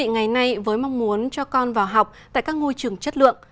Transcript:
ngày nay với mong muốn cho con vào học tại các ngôi trường chất lượng